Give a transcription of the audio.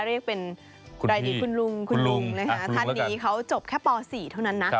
เรียกเป็นรายดีคุณลุงคุณลุงนะคะท่านนี้เขาจบแค่ป๔เท่านั้นนะ